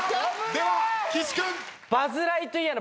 では岸君。